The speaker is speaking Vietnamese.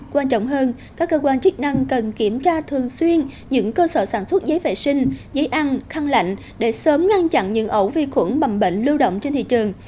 quan trọng hơn các cơ quan chức năng cần kiểm tra thường xuyên những cơ sở sản xuất giấy vệ sinh giấy ăn khăn lạnh để sớm ngăn chặn những ẩu vi khuẩn bầm bệnh lưu động trên thị trường